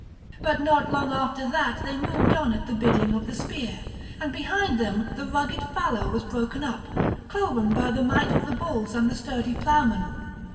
But not long after that they moved on at the bidding of the spear; and behind them the rugged fallow was broken up, cloven by the might of the bulls and the sturdy ploughman.